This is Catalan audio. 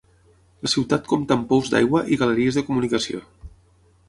La ciutat compta amb pous d'aigua i galeries de comunicació.